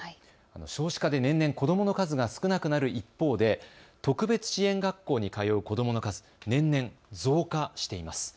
少子化で年々子どもの数が少なくなる一方で特別支援学校に通う子どもの数、年々、増加しています。